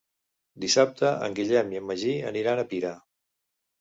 Dissabte en Guillem i en Magí aniran a Pira.